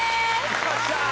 よっしゃあ！